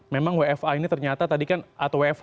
memang wfa ini ternyata tadi kan atau wfh